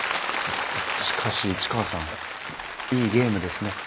しかし市川さんいいゲームですね